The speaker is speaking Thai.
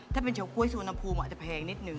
ถ้าเป็นชาวกร้วยโซนพุมอาจจะแพงนิดหนึ่ง